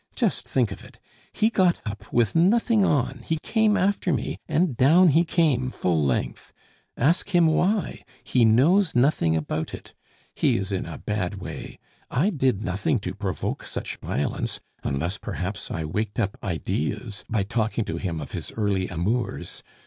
Just think of it! he got up with nothing on, he came after me and down he came full length. Ask him why he knows nothing about it. He is in a bad way. I did nothing to provoke such violence, unless, perhaps, I waked up ideas by talking to him of his early amours.